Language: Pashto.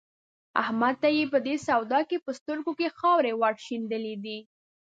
احمد ته يې په دې سودا کې په سترګو کې خاورې ور شيندلې دي.